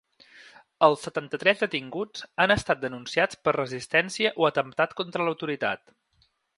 Els setanta-tres detinguts han estat denunciats per resistència o atemptat contra l’autoritat.